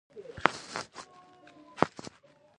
د مومن خان کومه جنازه ده.